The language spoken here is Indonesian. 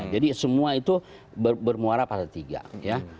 jadi semua itu bermuara pada tiga ya